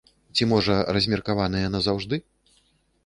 Ці, можа, размеркаваныя назаўжды?